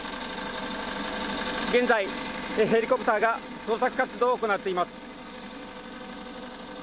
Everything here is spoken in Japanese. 現在ヘリコプターが捜索活動を行っています。